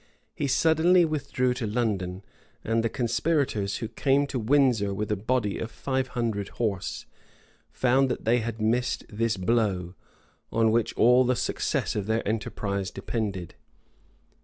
He suddenly withdrew to London; and the conspirators, who came to Windsor with a body of five hundred horse, found that they had missed this blow, on which all the success of their enterprise depended.